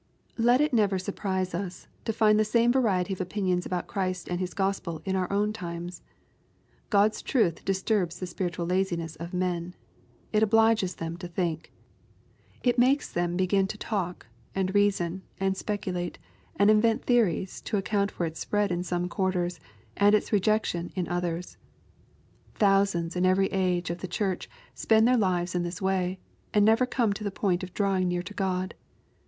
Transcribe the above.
Let it never surprise us, to find the same variety of opinions about Christ and His Gospel in our own times, God's truth riistnrh a the sp iritual laziness of men. It obliges them to think. It makes them begin to talk, and reason, and speculate, and invent theories to account for its spread in some quarters, and its rejection in others. Thousands in every ageof the Church spend their lives in this way, and never come to the point of drawing near to God.